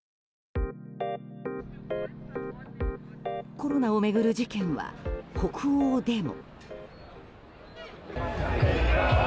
コロナを巡る事件は北欧でも。